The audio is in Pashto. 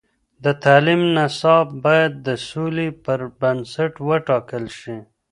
د تعلیم نصاب باید د سولې پر بنسټ وټاکل شي.